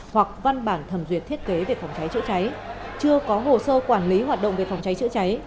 hoặc văn bản thẩm duyệt thiết kế về phòng cháy chữa cháy chưa có hồ sơ quản lý hoạt động về phòng cháy chữa cháy